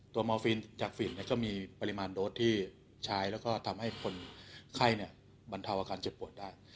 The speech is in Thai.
มอลฟินจากฝีดก็มีปริมาณโดสที่ใช้แล้วก็ทำให้คนไข้บรรเทาอาการเจ็บปวดได้